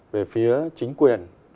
về phía chính quyền